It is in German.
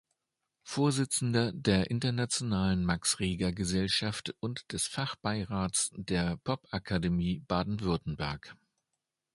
Vorsitzender der Internationalen Max-Reger-Gesellschaft und des Fachbeirats der Popakademie Baden-Württemberg.